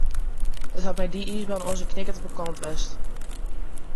It hat mei dy iisbaan oars in knikkert op de kant west.